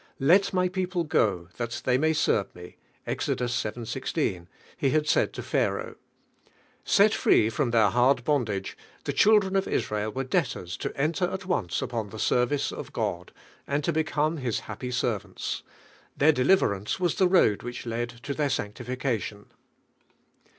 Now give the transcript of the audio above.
"Let My people go that (hey may serve Me" (Eeft vii. 18). He said In Pharaoh. Set free from their hard bondage, the children of Israel were debtors to enter at once upon Hie service at God, and to become Ilis happy ser Vfflnita. Their deliverance was the road which led 10 their sanriifieation.